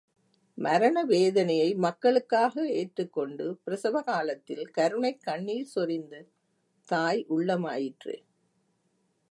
மரண வேதனையை மக்களுக்காக ஏற்றுக் கொண்டு பிரசவ காலத்தில் கருணைக் கண்ணீர் சொரிந்த தாயுள்ளமாயிற்றே.